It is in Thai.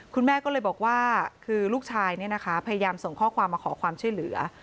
คุณแม่ก็เลยบอกว่าคือลูกชายพยายามส่งข้อความมาขอความช่วยเหลือ